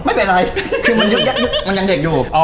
ไม่เป็นไรคือมันยังเด็กอยู่